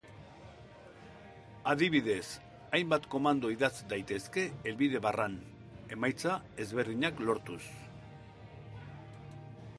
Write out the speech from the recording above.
Adibidez, hainbat komando idatz daitezke helbide-barran, emaitza ezberdinak lortuz.